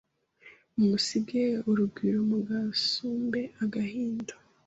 Mumusige urugwiro Mugasumbe agahinda